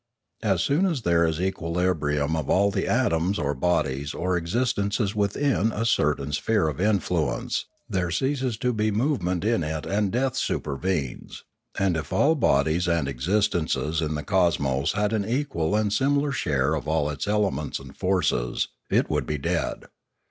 As soon as there is equilibrium of all the atoms or bodies or ex istences within a certain sphere of influence there ceases to be movement in it and death supervenes; and if all bodies and existences in the cosmos had an equal and similar share of all its elements and forces, it would be dead.